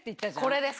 これです